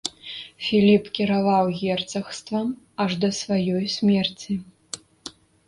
Філіп кіраваў герцагствам аж да сваёй смерці.